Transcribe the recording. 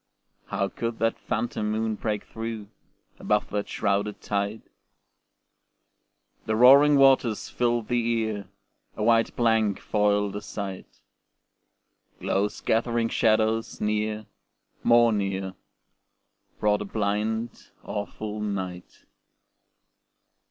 How could that phantom moon break through, Above that shrouded tide? The roaring waters filled the ear, A white blank foiled the sight. Close gathering shadows near, more near, Brought the blind, awful night.